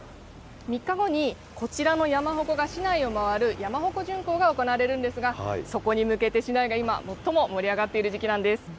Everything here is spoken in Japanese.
３日後に、こちらの山鉾が市内を回る山鉾巡行が行われるんですが、そこに向けて市内が今、最も盛り上がっている時期なんです。